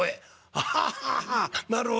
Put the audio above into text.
「アハハハなるほど」。